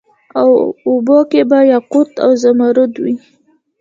او اوبو کي به یاقوت او زمرود وي